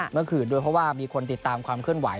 เมื่อคืนด้วยเพราะว่ามีคนติดตามความเคลื่อนไห